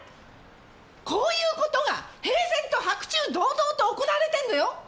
こういう事が平然と白昼堂々と行われてんのよ！？